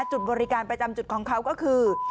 จุดบริการประจำจุดของเขาก็คือ